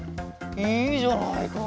いいじゃないか。